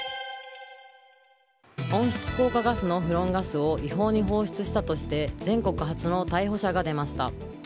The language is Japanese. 温室効果ガスのフロンガスを違法に放出したとして全国初の逮捕者が出ました。